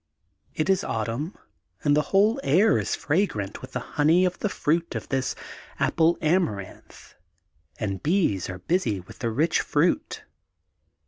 It is autumn and the whole air is fragrant with the honey of the fruit of this Apple Amaranth, and bees are busy with the rich fruit.